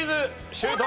シュート！